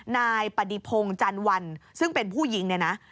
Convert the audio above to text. นายประดิภงจันวัลซึ่งเป็นผู้ยิงเนี่ยนะ